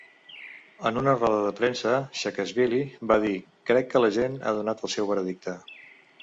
En una roda de premsa, Sakashvili va dir: crec que la gent ha donat el seu veredicte.